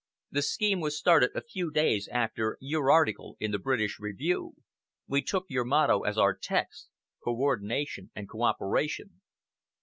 "The scheme was started a few days after your article in the British Review. We took your motto as our text 'Coordination and cooperation.